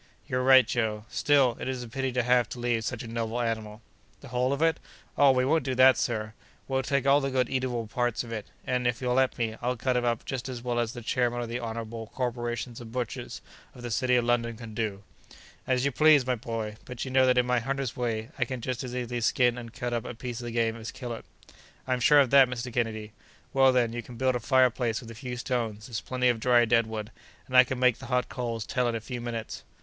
"You're right, Joe. Still it is a pity to have to leave such a noble animal." "The whole of it? Oh, we won't do that, sir; we'll take all the good eatable parts of it, and, if you'll let me, I'll cut him up just as well as the chairman of the honorable corporation of butchers of the city of London could do." "As you please, my boy! But you know that in my hunter's way I can just as easily skin and cut up a piece of game as kill it." "I'm sure of that, Mr. Kennedy. Well, then, you can build a fireplace with a few stones; there's plenty of dry dead wood, and I can make the hot coals tell in a few minutes."